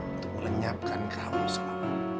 untuk melenyapkan kamu selama